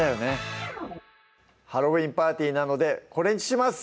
ハロウィンパーティーなのでこれにします！